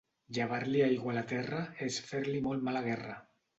Llevar-li aigua a la terra és fer-li molt mala guerra.